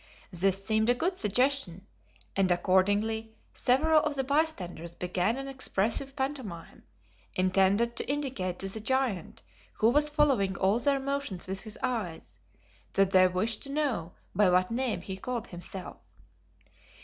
This seemed a good suggestion, and accordingly several of the bystanders began an expressive pantomime, intended to indicate to the giant, who was following all their motions with his eyes, that they wished to know by what name he called himself.